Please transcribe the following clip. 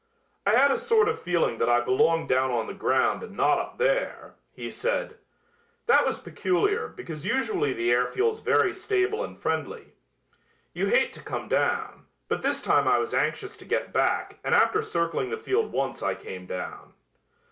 "I had a sort of feeling that I belonged down on the ground and not up there," he said. "That was peculiar because usually the air feels very stable and friendly. You hate to come down, but this time I was anxious to get back and after circling the field once I came down.